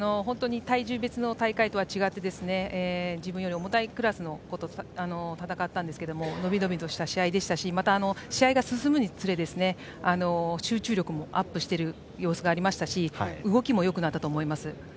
体重別の大会とは違って自分より重たいクラスの人と戦ったんですけど伸び伸びした試合ですしまた試合が進むにつれ集中力もアップしている様子がありましたし動きもよくなったと思います。